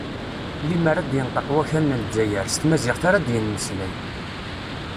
Lemmer ad d-yenṭeq wakal n Lezzayer, s tamaziɣt ara d-yemmeslay.